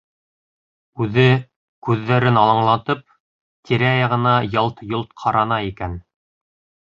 Үҙе, күҙҙәрен алаңлатып, тирә-яғына ялт-йолт ҡарана икән.